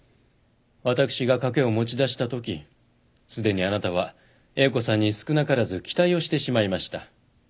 私が賭けを持ち出したときすでにあなたは英子さんに少なからず期待をしてしまいました。